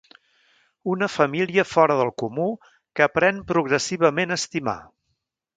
Una família fora del comú que aprèn progressivament a estimar.